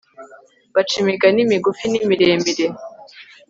baca imigani migufi n'imiremire